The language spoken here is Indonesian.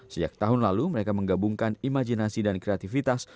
sejak tahun lalu mereka menggabungkan imajinasi dan kreativitas